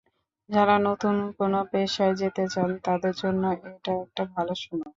যাঁরা নতুন কোনো পেশায় যেতে চান, তাঁদের জন্য এটা একটা ভালো সময়।